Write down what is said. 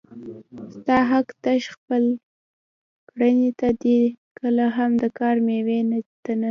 ستا حق تش خپل کړنې ته دی کله هم د کار مېوې ته نه